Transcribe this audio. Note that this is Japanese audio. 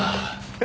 え？